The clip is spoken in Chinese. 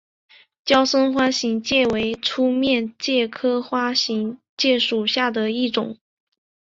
娇生花形介为粗面介科花形介属下的一个种。